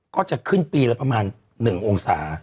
ก็จะขึ้นปีละประมาณ๑องศา